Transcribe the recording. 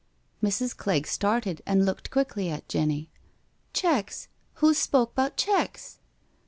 '^ Mrs. Clegg started and looked quickly at Jenny. '• Checks? Who's spoke 'bout checks?"